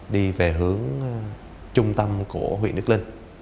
đi về hướng trung tâm của huyện đức linh